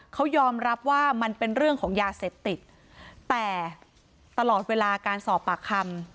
เขายอมรับว่ามันเป็นเรื่องของยาเสพติดแต่ตลอดเวลาการสอบปากคำ